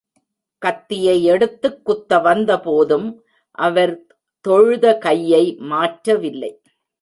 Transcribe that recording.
கத்தியை எடுத்துக் குத்த வந்த போதும் அவர் தொழுத கையை மாற்றவில்லை.